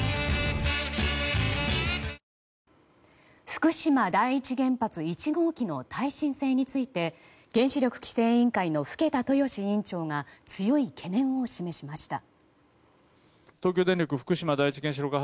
福島第一原発１号機の耐震性について原子力規制委員会の更田豊志委員長が強い懸念を示しました。